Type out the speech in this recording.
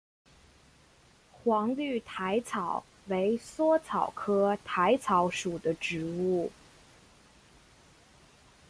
黄绿薹草为莎草科薹草属的植物。